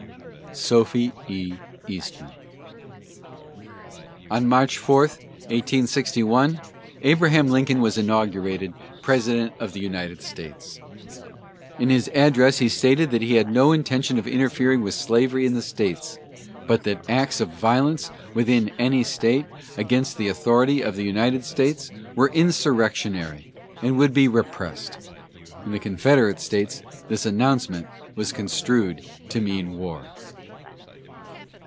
SOPHIE E. EASTMAN. On March 4, 1861, Abraham Lincoln was inaugurated President of the United States. In his address he stated that he had no intention of interfering with slavery in the states; but that acts of violence within any state against the authority of the United States were insurrectionary and would be repressed. In the Confederate States this announcement was construed to mean war.